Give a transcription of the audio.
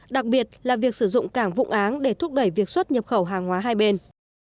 đặc biệt là việc sử dụng cảng vụ án để thúc đẩy việc xuất nhập khẩu hàng hóa hai bên